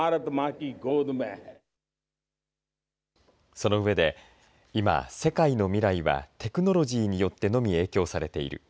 その上で今、世界の未来はテクノロジーによってのみ影響されている。